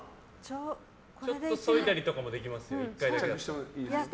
ちょっとそいだりとかもできますよ。